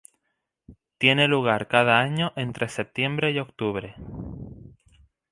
Tiene lugar cada año entre septiembre y octubre.